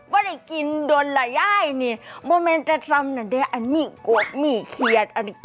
บริกิณฑ์โดนระย้ายนี่บริเวณจะซำนั้นได้อันนี้